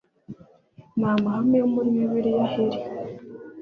ni amahame yo muri bibiliya ahere